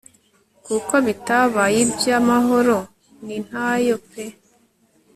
kuko bitabaye ibyo amahoro ni ntayo pe